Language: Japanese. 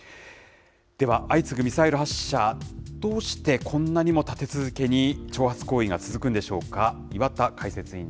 では、相次ぐミサイル発射、どうしてこんなにも立て続けに挑発行為が続くんでしょうか。